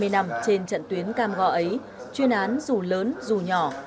hai mươi năm trên trận tuyến cam go ấy chuyên án dù lớn dù nhỏ